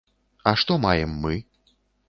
А што маем мы?